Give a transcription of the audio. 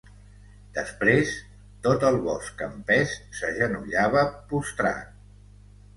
...després, tot el bosc en pes, s'agenollava, postrat